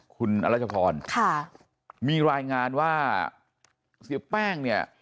คุณอรัชพรค่ะมีรายงานว่าเสียแป้งเนี่ย